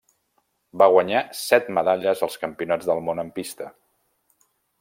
Va guanyar set medalles als Campionats del Món en pista.